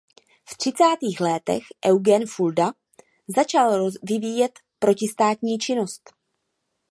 V třicátých létech Eugen Fulda začal vyvíjet protistátní činnost.